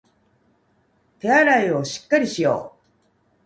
手洗いをしっかりしよう